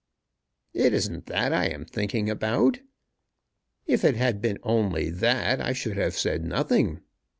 "It isn't that I am thinking about. If it had been only that I should have said nothing.